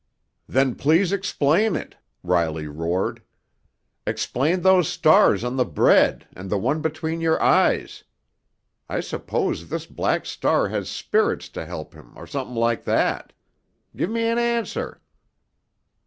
"Then please explain it!" Riley roared. "Explain those stars on the bread and the one between your eyes. I suppose this Black Star has spirits to help him or something like that. Give me an answer!"